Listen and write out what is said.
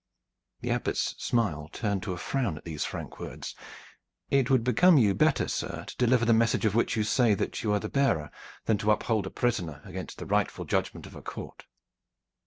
The Abbot's smile turned to a frown at these frank words. "It would become you better, sir, to deliver the message of which you say that you are the bearer, than to uphold a prisoner against the rightful judgment of a court."